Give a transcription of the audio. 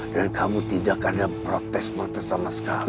dan kamu tidak akan ada protes protes sama sekali